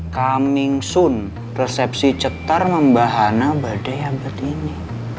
coming soon resepsi cetar membahana badai abad ini